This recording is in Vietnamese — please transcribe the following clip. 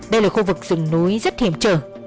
đây là khu vực rừng núi rất hiểm trở